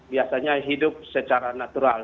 biasanya hidup secara natural